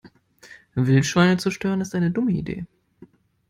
Wildschweine zu stören ist eine dumme Idee.